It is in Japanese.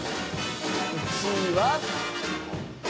１位は。